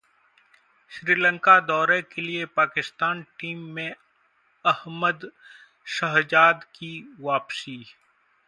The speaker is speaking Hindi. श्रीलंका दौरे के लिए पाकिस्तान टीम में अहमद शहजाद की वापसी